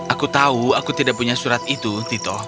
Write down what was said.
aku tahu aku tidak punya surat itu tito